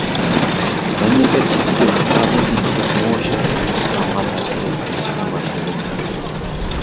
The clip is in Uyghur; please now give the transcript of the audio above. مەملىكەت ئىچىدىكى ئىقتىسادىي قىيىنچىلىقمۇ شەرقىي تۈركىستانغا تەسىر يەتكۈزۈشكە باشلىدى.